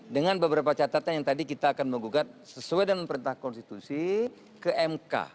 dengan beberapa catatan yang tadi kita akan menggugat sesuai dengan perintah konstitusi ke mk